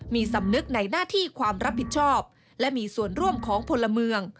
มีสำนึกในหน้าที่ความรับผิดชอบและมีส่วนร่วมของพลเมือง